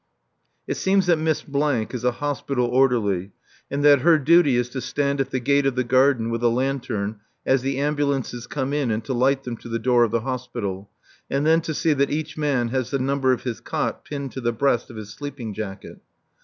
It seems that Miss is a hospital orderly, and that her duty is to stand at the gate of the garden with a lantern as the ambulances come in and to light them to the door of the hospital, and then to see that each man has the number of his cot pinned to the breast of his sleeping jacket.